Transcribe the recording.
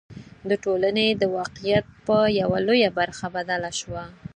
د ټولنې د واقعیت په یوه لویه برخه بدله شوه.